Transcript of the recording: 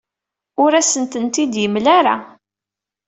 Ur asent-tent-id-yemla ara.